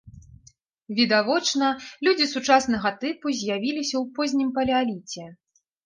Відавочна, людзі сучаснага тыпу з'явіліся ў познім палеаліце.